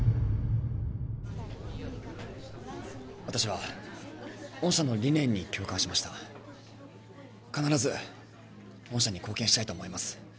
私は御社の理念に共感しました必ず御社に貢献したいと思います